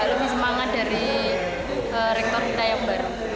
lebih semangat dari rektor kita yang baru